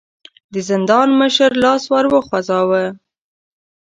د زندان مشر لاس ور وغځاوه.